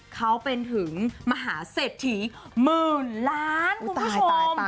เขาเป็นถึงมหาเสร็จถี่หมื่นล้านคุณผู้ชม